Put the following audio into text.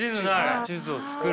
地図を作る。